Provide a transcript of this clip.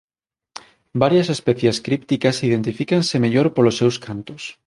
Varias especies crípticas identifícanse mellor polos seus cantos.